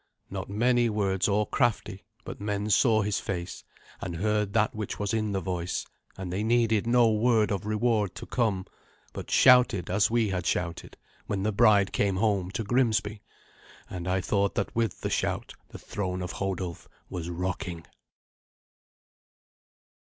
Not many words or crafty, but men saw his face, and heard that which was in the voice, and they needed no word of reward to come, but shouted as we had shouted when the bride came home to Grimsby, and I thought that with the shout the throne of Hodulf was rocking.